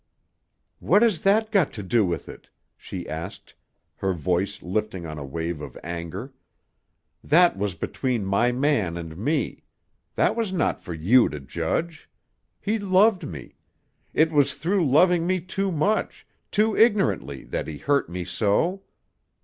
"What has that got to do with it?" she asked, her voice lifting on a wave of anger. "That was between my man and me. That was not for you to judge. He loved me. It was through loving me too much, too ignorantly, that he hurt me so."